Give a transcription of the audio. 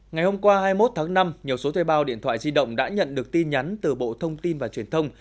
ngày hôm qua hai mươi một tháng năm nhiều số thuê bao điện thoại di động đã nhận được tin nhắn từ bộ thông tin và truyền thông